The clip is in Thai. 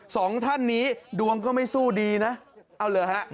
สองท่านนี้ดวงก็ไม่สู้ดีนะเอาเหรอฮะ